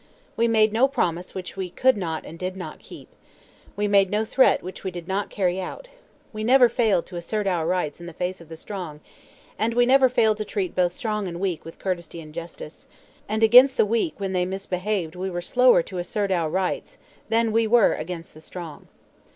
We made no promise which we could not and did not keep. We made no threat which we did not carry out. We never failed to assert our rights in the face of the strong, and we never failed to treat both strong and weak with courtesy and justice; and against the weak when they misbehaved we were slower to assert our rights than we were against the strong.